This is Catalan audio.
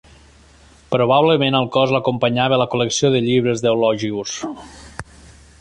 Probablement al cos l'acompanyava la col·lecció de llibres d'Eulogius.